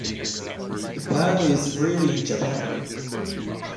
The plant is spread in Japan.